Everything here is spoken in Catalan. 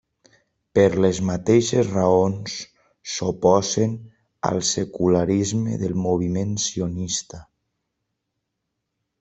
Per les mateixes raons s'oposen al secularisme del moviment sionista.